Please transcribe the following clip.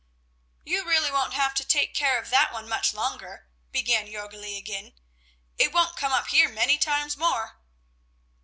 "You really won't have to take care of that one much longer," began Jörgli again. "It won't come up here many times more."